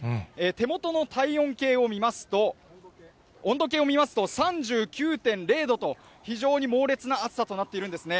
手元の体温計を見ますと、温度計を見ますと３９．０度と、非常に猛烈な暑さとなっているんですね。